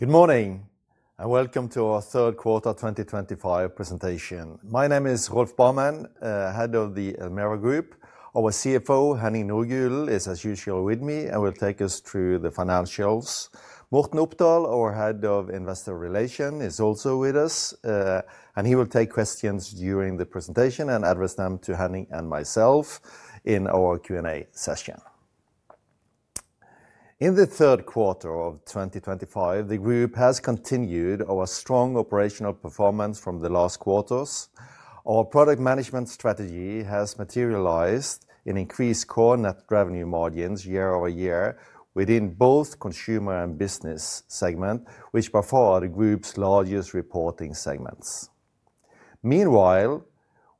Good morning and welcome to our third quarter 2025 presentation. My name is Rolf Barmen, Head of the Elmera Group. Our CFO, Henning Nordgulen, is, as usual, with me and will take us through the financials. Morten Opdal, our Head of Investor Relations, is also with us, and he will take questions during the presentation and address them to Henning and myself in our Q&A session. In the third quarter of 2025, the Group has continued our strong operational performance from the last quarters. Our product management strategy has materialized in increased core net revenue margins year-over-year within both Consumer and Business segments, which by far are the Group's largest reporting segments. Meanwhile,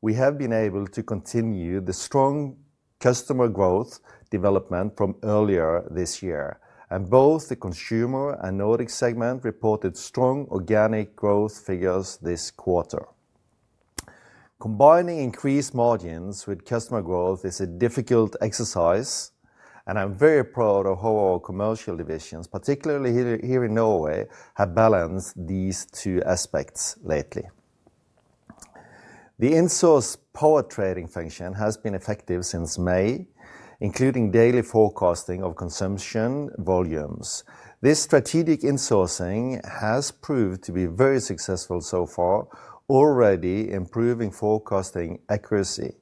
we have been able to continue the strong customer growth development from earlier this year, and both the Consumer and Nordic segments reported strong organic growth figures this quarter. Combining increased margins with customer growth is a difficult exercise, and I'm very proud of how our commercial divisions, particularly here in Norway, have balanced these two aspects lately. The in-source power trading function has been effective since May, including daily forecasting of consumption volumes. This strategic in-sourcing has proved to be very successful so far, already improving forecasting accuracy.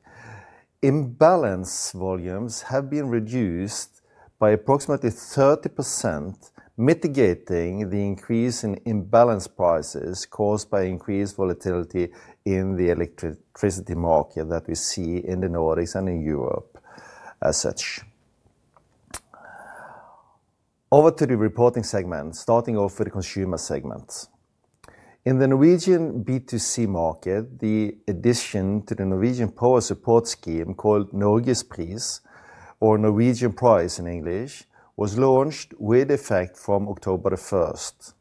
Imbalance volumes have been reduced by approximately 30%, mitigating the increase in imbalance prices caused by increased volatility in the electricity market that we see in the Nordics and in Europe as such. Over to the reporting segment, starting off with the Consumer segment. In the Norwegian B2C market, the addition to the Norwegian power support scheme called Norgespris, or Norwegian Price in English, was launched with effect from October the 1st.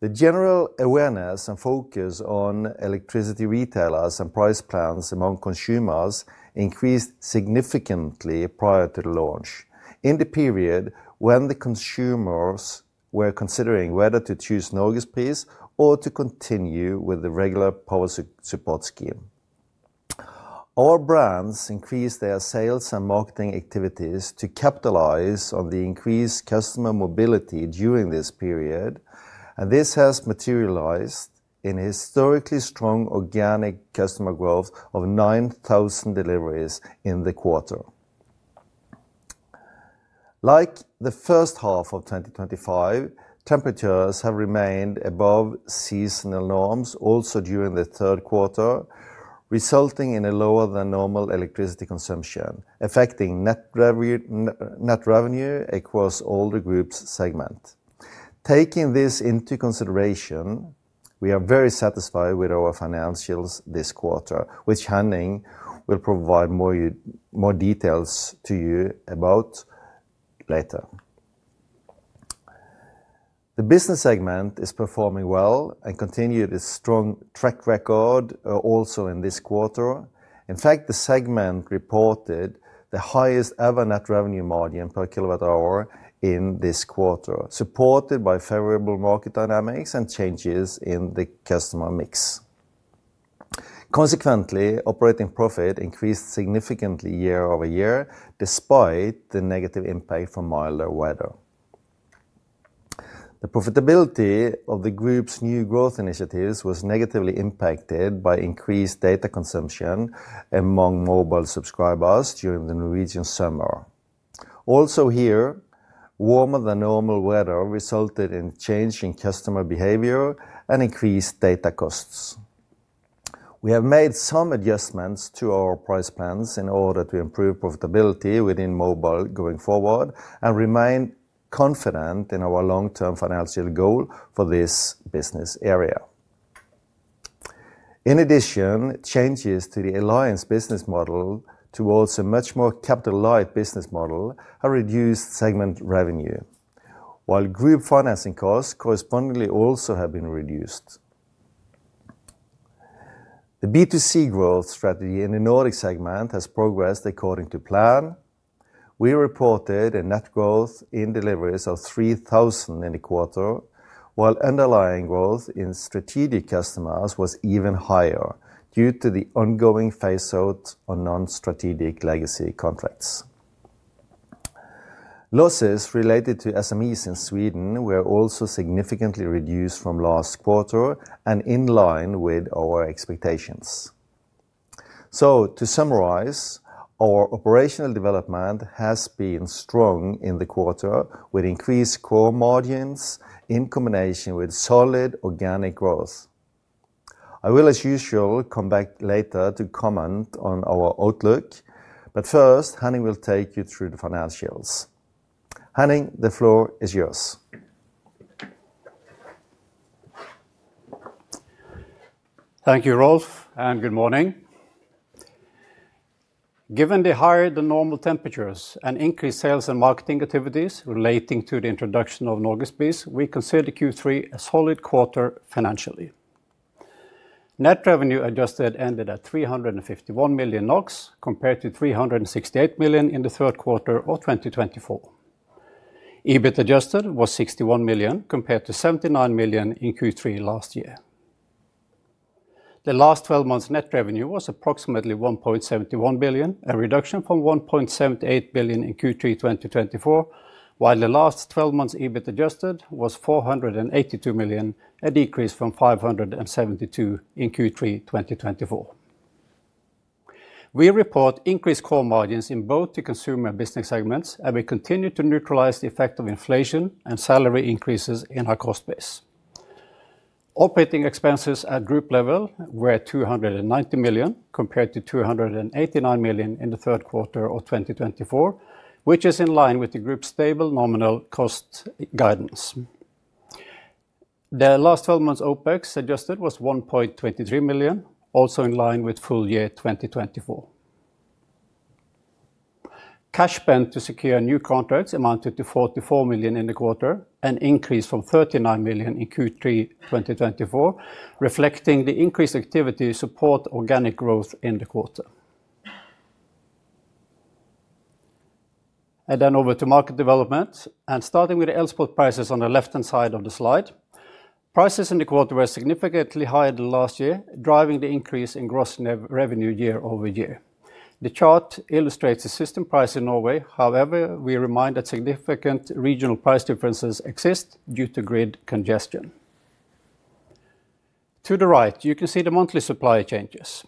The general awareness and focus on electricity retailers and price plans among Consumers increased significantly prior to the launch in the period when the Consumers were considering whether to choose Norgespris or to continue with the regular power support scheme. Our brands increased their sales and marketing activities to capitalize on the increased customer mobility during this period, and this has materialized in historically strong organic customer growth of 9,000 deliveries in the quarter. Like the first half of 2025, temperatures have remained above seasonal norms also during the third quarter, resulting in a lower than normal electricity consumption affecting net revenue across all the Group's segments. Taking this into consideration, we are very satisfied with our financials this quarter, which Henning will provide more details to you about later. The Business segment is performing well and continued its strong track record also in this quarter. In fact, the segment reported the highest ever net revenue margin per kilowatt hour in this quarter, supported by favorable market dynamics and changes in the customer mix. Consequently, operating profit increased significantly year-over-year despite the negative impact from milder weather. The profitability of the Group's new growth initiatives was negatively impacted by increased data consumption among mobile subscribers during the Norwegian summer. Also here, warmer than normal weather resulted in changing customer behavior and increased data costs. We have made some adjustments to our price plans in order to improve profitability within mobile going forward and remain confident in our long-term financial goal for this Business area. In addition, changes to the Alliance Business model towards a much more capital-light Business model have reduced segment revenue, while Group financing costs correspondingly also have been reduced. The B2C growth strategy in the Nordic segment has progressed according to plan. We reported a net growth in deliveries of 3,000 in the quarter, while underlying growth in strategic customers was even higher due to the ongoing phase-out of non-strategic legacy contracts. Losses related to SMEs in Sweden were also significantly reduced from last quarter and in line with our expectations. To summarize, our operational development has been strong in the quarter with increased core margins in combination with solid organic growth. I will, as usual, come back later to comment on our outlook, but first, Henning will take you through the financials. Henning, the floor is yours. Thank you, Rolf, and good morning. Given the higher than normal temperatures and increased sales and marketing activities relating to the introduction of Norgespris, we consider Q3 a solid quarter financially. Net revenue adjusted ended at 351 million NOK, compared to 368 million in the third quarter of 2024. EBIT adjusted was 61 million, compared to 79 million in Q3 last year. The last 12 months' net revenue was approximately 1.71 billion, a reduction from 1.78 billion in Q3 2024, while the last 12 months' EBIT adjusted was 482 million, a decrease from 572 million in Q3 2024. We report increased core margins in both the Consumer and Business segments, and we continue to neutralize the effect of inflation and salary increases in our cost base. Operating expenses at Group level were 290 million, compared to 289 million in the third quarter of 2024, which is in line with the Group's stable nominal cost guidance. The last 12 months' OpEx adjusted was 1,230 million, also in line with full year 2024. Cash spent to secure new contracts amounted to 44 million in the quarter, an increase from 39 million in Q3 2024, reflecting the increased activity to support organic growth in the quarter. Over to market development, and starting with the export prices on the left-hand side of the slide. Prices in the quarter were significantly higher than last year, driving the increase in gross revenue year-over-year. The chart illustrates the system price in Norway; however, we remind that significant regional price differences exist due to grid congestion. To the right, you can see the monthly supply changes.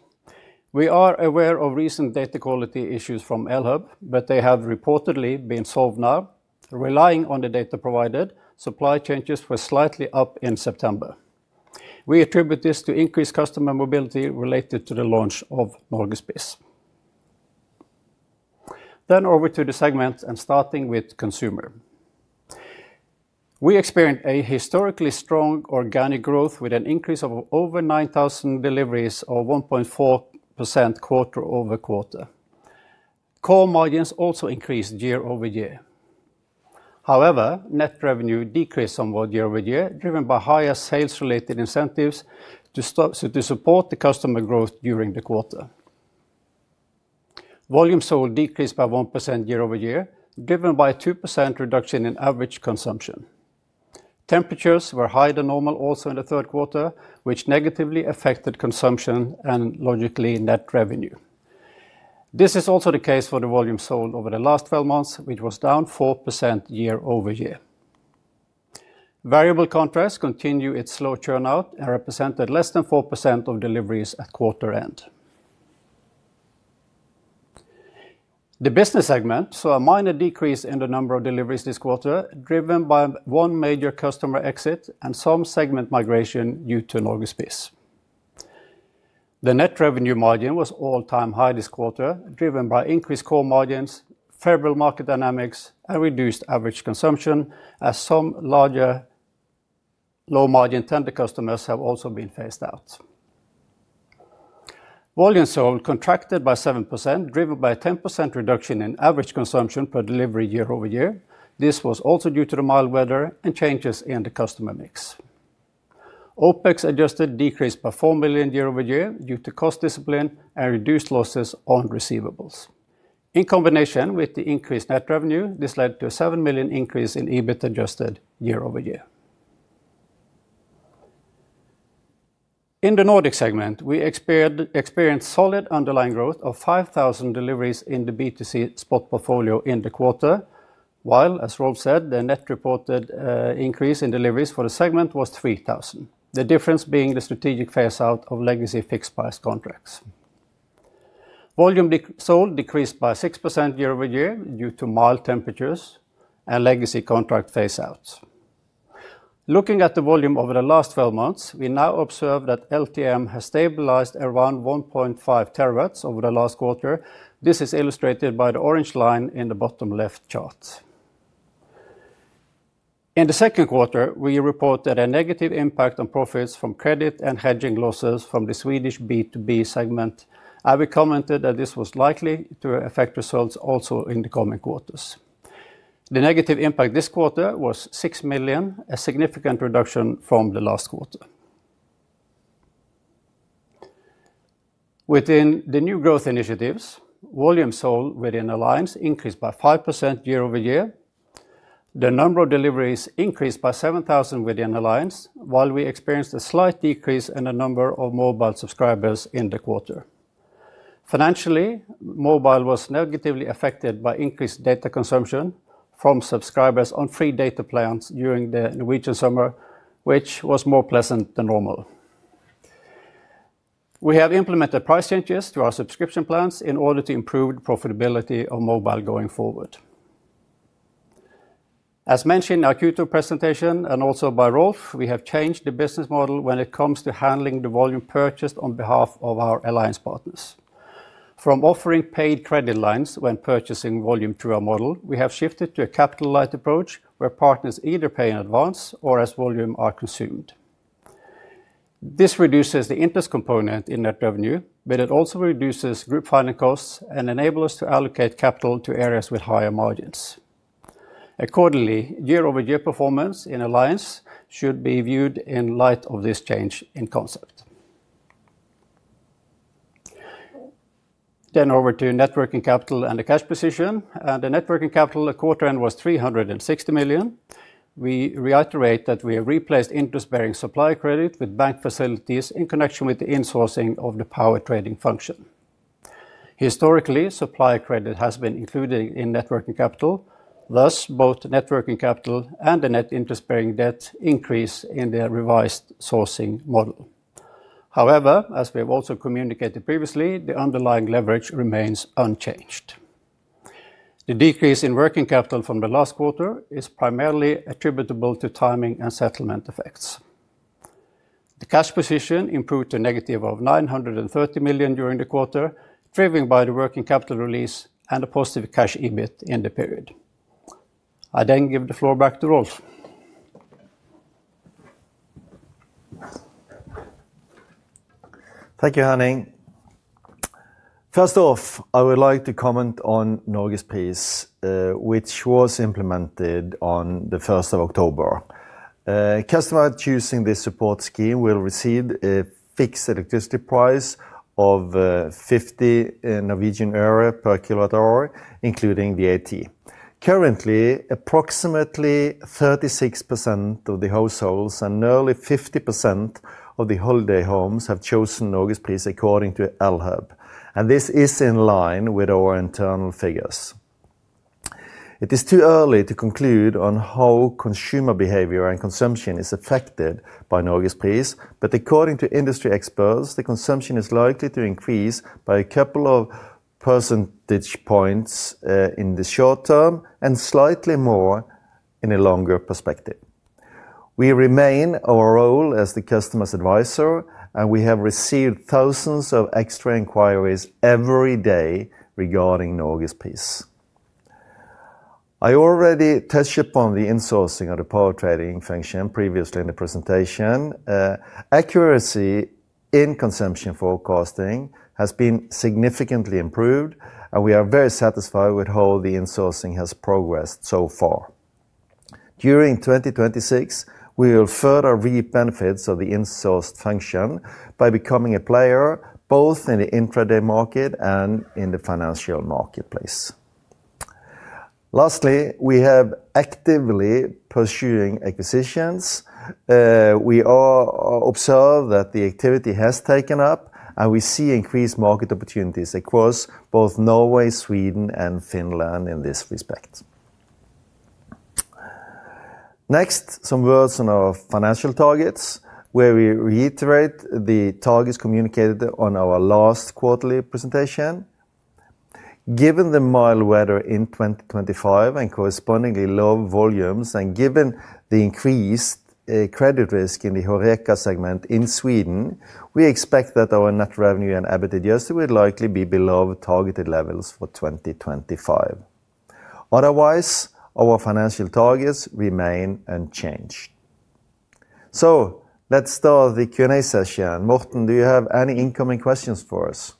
We are aware of recent data quality issues from Elhub, but they have reportedly been solved now. Relying on the data provided, supply changes were slightly up in September. We attribute this to increased customer mobility related to the launch of Norgespris. Over to the segment and starting with Consumer. We experienced a historically strong organic growth with an increase of over 9,000 deliveries or 1.4% quarter over quarter. Core margins also increased year-over-year. However, net revenue decreased somewhat year-over-year, driven by higher sales-related incentives to support the customer growth during the quarter. Volume sold decreased by 1% year-over-year, driven by a 2% reduction in average consumption. Temperatures were higher than normal also in the third quarter, which negatively affected consumption and logically net revenue. This is also the case for the volume sold over the last 12 months, which was down 4% year-over-year. Variable contracts continue its slow churn out and represented less than 4% of deliveries at quarter end. The Business segment saw a minor decrease in the number of deliveries this quarter, driven by one major customer exit and some segment migration due to Norgespris. The net revenue margin was all-time high this quarter, driven by increased core margins, favorable market dynamics, and reduced average consumption, as some larger low-margin tender customers have also been phased out. Volume sold contracted by 7%, driven by a 10% reduction in average consumption per delivery year-over-year. This was also due to the mild weather and changes in the customer mix. OpEx adjusted decreased by 4 million year-over-year due to cost discipline and reduced losses on receivables. In combination with the increased net revenue, this led to a 7 million increase in EBIT adjusted year-over-year. In the Nordic segment, we experienced solid underlying growth of 5,000 deliveries in the B2C spot portfolio in the quarter, while, as Rolf said, the net reported increase in deliveries for the segment was 3,000, the difference being the strategic phase-out of legacy fixed price contracts. Volume sold decreased by 6% year-over-year due to mild temperatures and legacy contract phase-outs. Looking at the volume over the last 12 months, we now observe that LTM has stabilized around 1.5 TW over the last quarter. This is illustrated by the orange line in the bottom left chart. In the second quarter, we reported a negative impact on profits from credit and hedging losses from the Swedish B2B segment, and we commented that this was likely to affect results also in the coming quarters. The negative impact this quarter was 6 million, a significant reduction from the last quarter. Within the new growth initiatives, volume sold within Alliance increased by 5% year-over-year. The number of deliveries increased by 7,000 within Alliance, while we experienced a slight decrease in the number of mobile subscribers in the quarter. Financially, mobile was negatively affected by increased data consumption from subscribers on free data plans during the Norwegian summer, which was more pleasant than normal. We have implemented price changes to our subscription plans in order to improve the profitability of mobile going forward. As mentioned in our Q2 presentation and also by Rolf, we have changed the Business model when it comes to handling the volume purchased on behalf of our Alliance partners. From offering paid credit lines when purchasing volume through our model, we have shifted to a capital-light approach where partners either pay in advance or as volume is consumed. This reduces the interest component in net revenue, but it also reduces Group finance costs and enables us to allocate capital to areas with higher margins. Accordingly, year-over-year performance in Alliance should be viewed in light of this change in concept. Over to networking capital and the cash position. The networking capital at quarter end was 360 million. We reiterate that we have replaced interest-bearing supply credit with bank facilities in connection with the insourcing of the power trading function. Historically, supply credit has been included in networking capital. Thus, both networking capital and the net interest-bearing debt increase in the revised sourcing model. However, as we have also communicated previously, the underlying leverage remains unchanged. The decrease in working capital from the last quarter is primarily attributable to timing and settlement effects. The cash position improved to a negative 930 million during the quarter, driven by the working capital release and a positive cash EBIT in the period. I then give the floor back to Rolf. Thank you, Henning. First off, I would like to comment on Norgespris, which was implemented on the 1st of October. Customers choosing this support scheme will receive a fixed electricity price of NOK 0.50 per kilowatt hour, including VAT. Currently, approximately 36% of the households and nearly 50% of the holiday homes have chosen Norgespris according to Elhub. This is in line with our internal figures. It is too early to conclude on how Consumer behavior and consumption is affected by Norgespris, but according to industry experts, the consumption is likely to increase by a couple of percentage points in the short term and slightly more in the longer perspective. We remain our role as the customer's advisor, and we have received thousands of extra inquiries every day regarding Norgespris. I already touched upon the insourcing of the power trading function previously in the presentation. Accuracy in consumption forecasting has been significantly improved, and we are very satisfied with how the insourcing has progressed so far. During 2026, we will further reap benefits of the insourced function by becoming a player both in the intraday market and in the financial marketplace. Lastly, we have actively pursuing acquisitions. We observe that the activity has taken up, and we see increased market opportunities across both Norway, Sweden, and Finland in this respect. Next, some words on our financial targets, where we reiterate the targets communicated on our last quarterly presentation. Given the mild weather in 2025 and correspondingly low volumes, and given the increased credit risk in the Horeca segment in Sweden, we expect that our net revenue and EBIT adjusted would likely be below targeted levels for 2025. Otherwise, our financial targets remain unchanged. Let's start the Q&A session. Morten, do you have any incoming questions for us?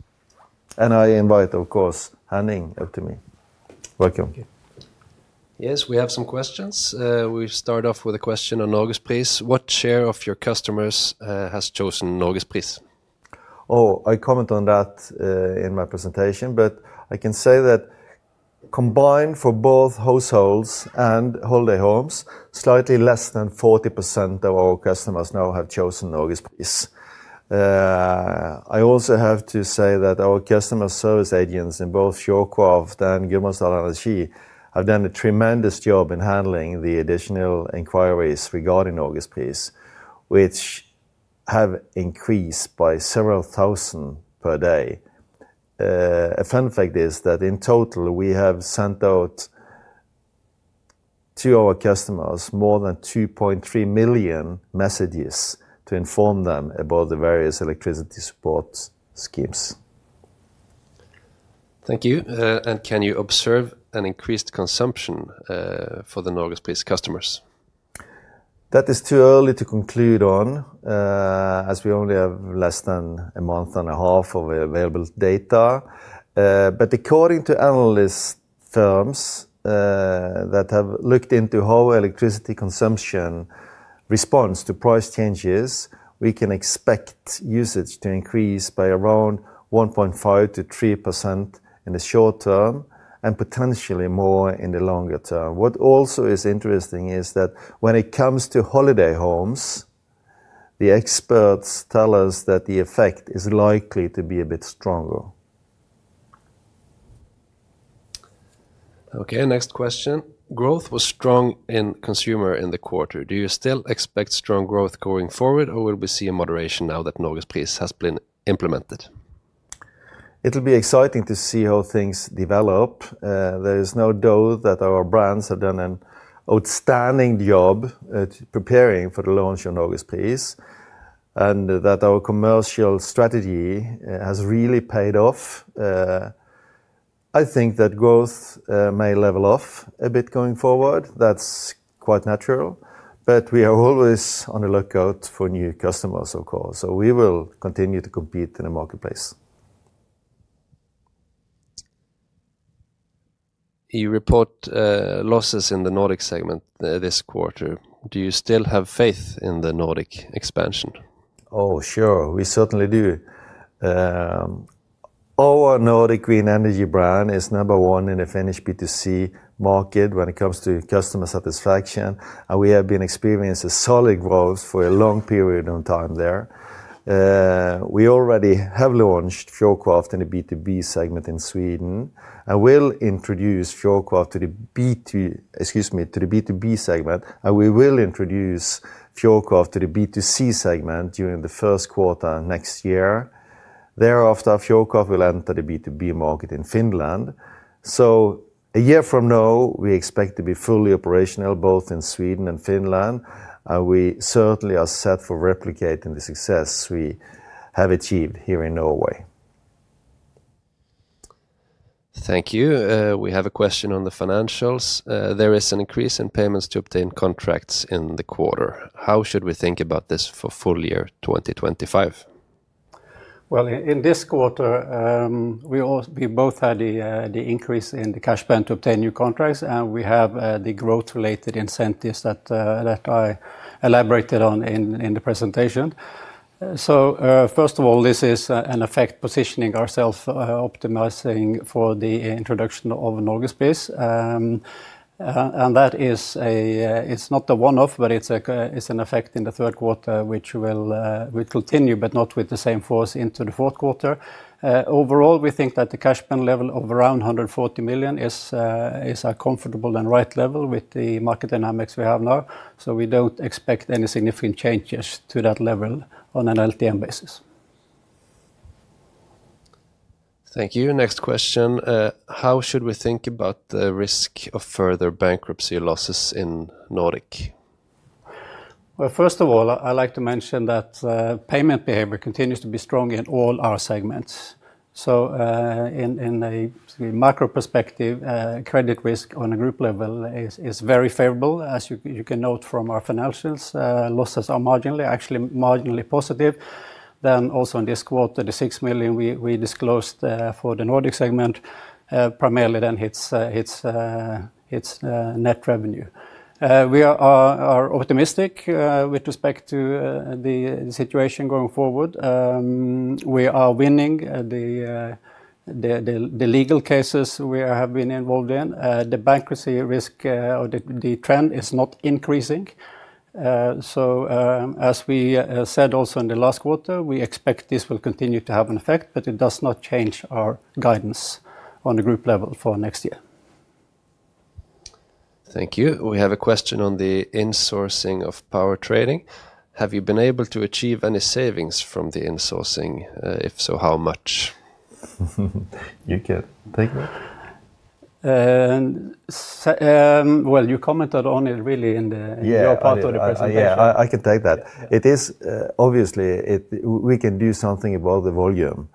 I invite, of course, Henning up to me. Welcome. Yes, we have some questions. We start off with a question on Norgespris. What share of your customers has chosen Norgespris? Oh, I comment on that in my presentation, but I can say that combined for both households and holiday homes, slightly less than 40% of our customers now have chosen Norgespris. I also have to say that our customer service agents in both Fjordkraft and Gudbrandsdal Energi have done a tremendous job in handling the additional inquiries regarding Norgespris, which have increased by several thousand per day. A fun fact is that in total, we have sent out to our customers more than 2.3 million messages to inform them about the various electricity support schemes. Thank you. Can you observe an increased consumption for the Norgespris customers? That is too early to conclude on, as we only have less than a month and a half of available data. However, according to analyst firms that have looked into how electricity consumption responds to price changes, we can expect usage to increase by around 1.5%-3% in the short term and potentially more in the longer term. What also is interesting is that when it comes to holiday homes, the experts tell us that the effect is likely to be a bit stronger. Okay, next question. Growth was strong in Consumer in the quarter. Do you still expect strong growth going forward, or will we see a moderation now that Norgespris has been implemented? It will be exciting to see how things develop. There is no doubt that our brands have done an outstanding job preparing for the launch of Norgespris and that our commercial strategy has really paid off. I think that growth may level off a bit going forward. That is quite natural. We are always on the lookout for new customers, of course. We will continue to compete in the marketplace. You report losses in the Nordic segment this quarter. Do you still have faith in the Nordic expansion? Oh, sure. We certainly do. Our Nordic Green Energy brand is number one in the Finnish B2C market when it comes to customer satisfaction, and we have been experiencing solid growth for a long period of time there. We already have launched Fjordkraft in the B2B segment in Sweden and will introduce Fjordkraft to the B2B segment, and we will introduce Fjordkraft to the B2C segment during the first quarter next year. Thereafter, Fjordkraft will enter the B2B market in Finland. A year from now, we expect to be fully operational both in Sweden and Finland, and we certainly are set for replicating the success we have achieved here in Norway. Thank you. We have a question on the financials. There is an increase in payments to obtain contracts in the quarter. How should we think about this for full year 2025? In this quarter, we both had the increase in the cash plan to obtain new contracts, and we have the growth-related incentives that I elaborated on in the presentation. First of all, this is an effect positioning ourselves optimizing for the introduction of Norgespris. That is not a one-off, but it's an effect in the third quarter, which will continue, but not with the same force into the fourth quarter. Overall, we think that the cash plan level of around 140 million is a comfortable and right level with the market dynamics we have now. We do not expect any significant changes to that level on an LTM basis. Thank you. Next question. How should we think about the risk of further bankruptcy losses in Nordic? First of all, I'd like to mention that payment behavior continues to be strong in all our segments. In a macro perspective, credit risk on a group level is very favorable. As you can note from our financials, losses are marginally, actually marginally positive. Also in this quarter, the 6 million we disclosed for the Nordic segment primarily then hits net revenue. We are optimistic with respect to the situation going forward. We are winning the legal cases we have been involved in. The bankruptcy risk, or the trend, is not increasing. As we said also in the last quarter, we expect this will continue to have an effect, but it does not change our guidance on the group level for next year. Thank you. We have a question on the insourcing of power trading. Have you been able to achieve any savings from the insourcing? If so, how much? You can take that. You commented on it really in your part of the presentation. Yeah, I can take that. It is obviously we can do something about the volume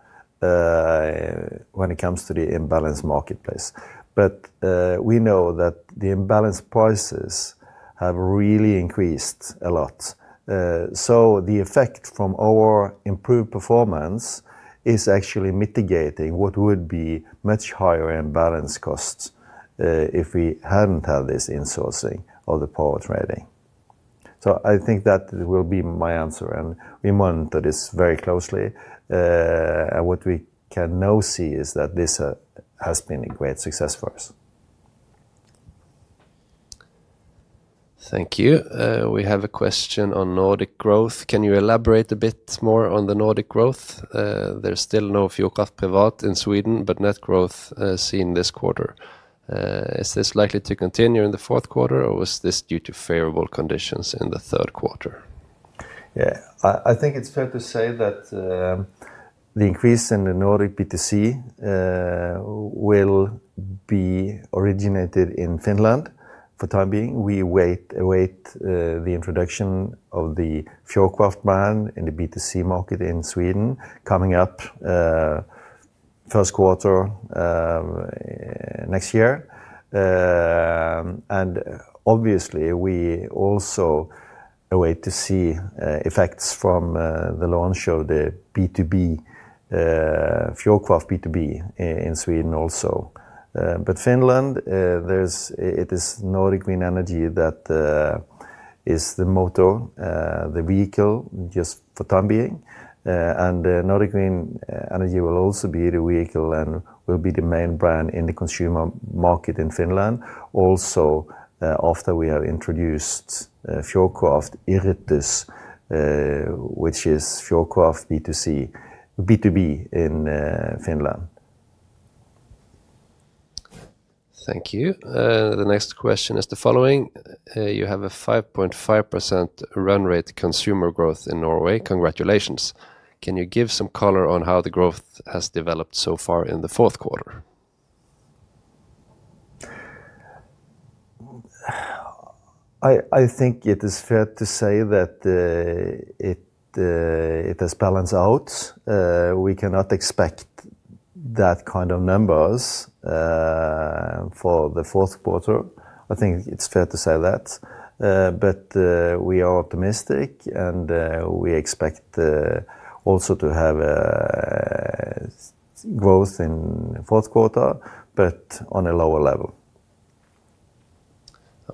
when it comes to the imbalanced marketplace. We know that the imbalanced prices have really increased a lot. The effect from our improved performance is actually mitigating what would be much higher imbalanced costs if we had not had this insourcing of the power trading. I think that will be my answer. We monitor this very closely. What we can now see is that this has been a great success for us. Thank you. We have a question on Nordic growth. Can you elaborate a bit more on the Nordic growth? There is still no Fjordkraft in Sweden, but net growth seen this quarter. Is this likely to continue in the fourth quarter, or was this due to favorable conditions in the third quarter? Yeah, I think it's fair to say that the increase in the Nordic B2C will be originated in Finland for the time being. We await the introduction of the Fjordkraft brand in the B2C market in Sweden coming up first quarter next year. Obviously, we also await to see effects from the launch of the B2B Fjordkraft B2B in Sweden also. Finland, it is Nordic Green Energy that is the motor, the vehicle just for the time being. Nordic Green Energy will also be the vehicle and will be the main brand in the Consumer market in Finland also after we have introduced Fjordkraft Eryttus, which is Fjordkraft B2B in Finland. Thank you. The next question is the following. You have a 5.5% run rate Consumer growth in Norway. Congratulations. Can you give some color on how the growth has developed so far in the fourth quarter? I think it is fair to say that it has balanced out. We cannot expect that kind of numbers for the fourth quarter. I think it's fair to say that. We are optimistic and we expect also to have growth in the fourth quarter, but on a lower level.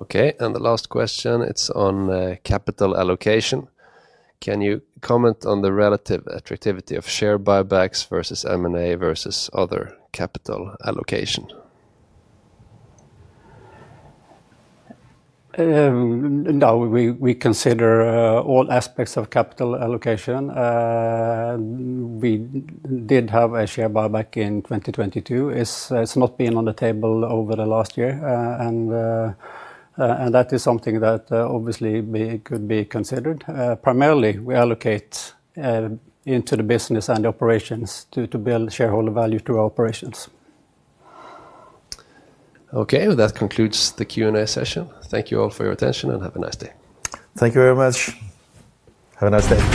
Okay. The last question, it's on capital allocation. Can you comment on the relative attractivity of share buybacks versus M&A versus other capital allocation? No, we consider all aspects of capital allocation. We did have a share buyback in 2022. It's not been on the table over the last year. That is something that obviously could be considered. Primarily, we allocate into the Business and operations to build shareholder value through our operations. Okay. That concludes the Q&A session. Thank you all for your attention and have a nice day. Thank you very much. Have a nice day.